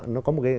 nó có một cái